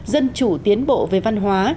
dân chủ tiến bộ về văn hóa